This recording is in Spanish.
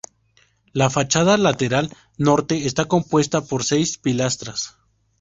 La fachada lateral norte está compuesta por seis pilastras.